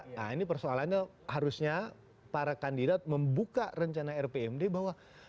nah ini persoalannya harusnya para kandidat membuka rencana rpmd bahwa